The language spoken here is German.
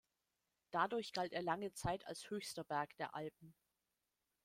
Dadurch galt er lange Zeit als höchster Berg der Alpen.